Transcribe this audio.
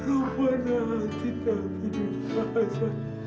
rupanya hati hati dikasih